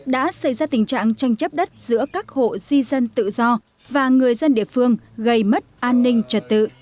đã xảy ra tình trạng tranh chấp đất giữa các hộ di dân tự do và người dân địa phương gây mất an ninh trật tự